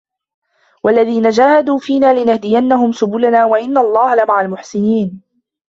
وَالَّذِينَ جَاهَدُوا فِينَا لَنَهْدِيَنَّهُمْ سُبُلَنَا وَإِنَّ اللَّهَ لَمَعَ الْمُحْسِنِينَ